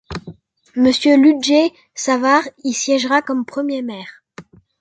Monsieur Ludger Savard y siègera comme premier maire.